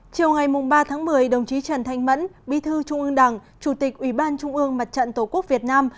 chiều ngày ba tháng một mươi đồng chí trần thanh mẫn bí thư trung ương đảng chủ tịch ủy ban trung ương mặt trận tổ quốc việt nam